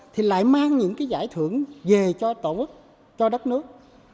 thì lại mang những cái giải thưởng về cho tổ quốc cho đất nước